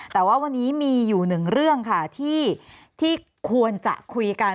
แต่ว่าวันนี้มีอยู่หนึ่งเรื่องค่ะที่ควรจะคุยกัน